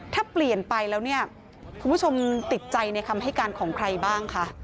ถ้าเปลี่ยนไปแล้วเนี่ยคุณผู้ชมติดใจในคำให้การของใครบ้างคะ